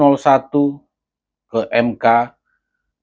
dan kembali ke kubu dua